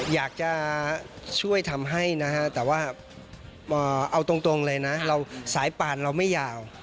อยากจะช่วยทำให้นะฮะแต่ว่าเอาตรงเลยนะสายป่านเราไม่ยาว